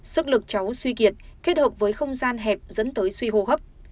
sức lực cháu suy kiệt kết hợp với không gian hẹp dẫn tới suy hô hấp